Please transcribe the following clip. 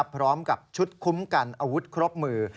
พร้อมกับชุดคุ้มกันอาวุธครบมือ